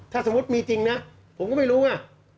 ถ้าสมมุติมีจริงนะผมก็ไม่รู้ไง